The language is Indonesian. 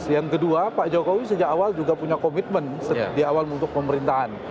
yang kedua pak jokowi sejak awal juga punya komitmen di awal untuk pemerintahan